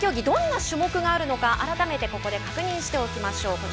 どんな種目があるのか改めてここで確認しておきましょう。